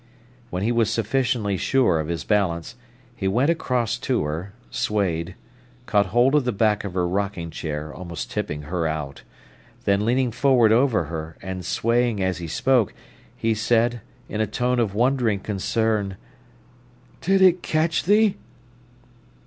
When he was sufficiently sure of his balance, he went across to her, swayed, caught hold of the back of her rocking chair, almost tipping her out; then leaning forward over her, and swaying as he spoke, he said, in a tone of wondering concern: "Did it catch thee?"